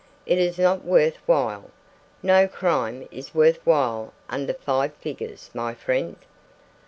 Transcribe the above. It is not worth while. No crime is worth while under five figures, my friend.